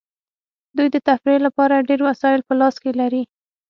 دوی د تفریح لپاره ډیر وسایل په لاس کې لري